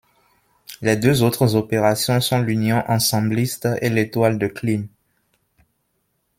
Les deux autres opérations sont l'union ensembliste et l'étoile de Kleene.